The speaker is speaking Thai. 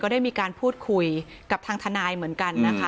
ได้มีการพูดคุยกับทางทนายเหมือนกันนะคะ